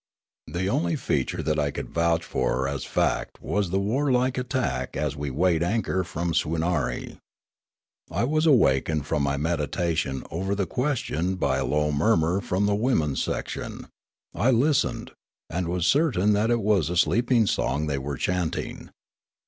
The only feature that I could vouch for as fact was the war like attack as we weighed anchor from Swoonarie. I was awakened from my meditation over the question by a low murmur from the women's section; I listened, and was certain that it was a sleep song they were chanting.